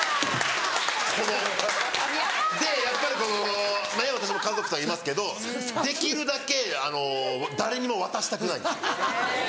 このでやっぱりこの私も家族いますけどできるだけ誰にも渡したくないんですよ。